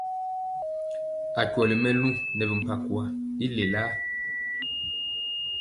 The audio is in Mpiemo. Akyɔli mɛluŋ nɛ bimpakwa i lelaa.